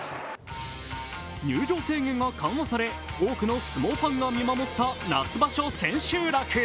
入場制限が緩和され、多くの相撲ファンが見守った、夏場所、千秋楽。